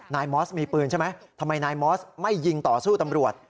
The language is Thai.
มอสมีปืนใช่ไหมทำไมนายมอสไม่ยิงต่อสู้ตำรวจ